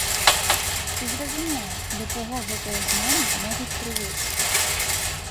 Ці зразумела, да чаго гэтыя змены могуць прывесці?